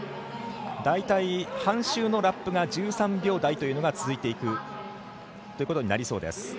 大体、半周のラップが１３秒台というのが続いていくことになりそうです。